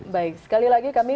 baik sekali lagi kami